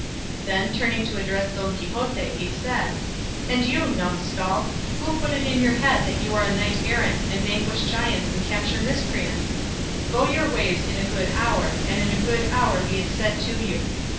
Then turning to address Don Quixote he said, "And you, num skull, who put it into your head that you are a knight errant, and vanquish giants and capture miscreants? Go your ways in a good hour, and in a good hour be it said to you.